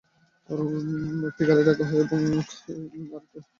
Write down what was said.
একটি ঘড়ি রাখা হয় অ্যারোপ্লেনে ও আরেকটি এয়ারপোর্টে।